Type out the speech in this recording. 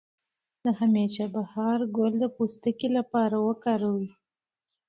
د همیش بهار ګل د پوستکي لپاره وکاروئ